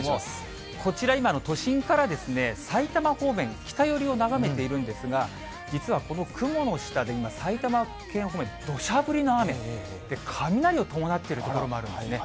こちら今の都心から埼玉方面、北寄りを眺めているんですが、実はこの雲の下で、今、埼玉県方面、どしゃ降りの雨、雷を伴ってる所もあるんですね。